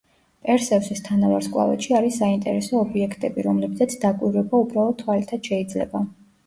პერსევსის თანავარსკვლავედში არის საინტერესო ობიექტები, რომლებზეც დაკვირვება უბრალო თვალითაც შეიძლება.